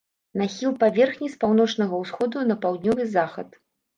Нахіл паверхні з паўночнага ўсходу на паўднёвы захад.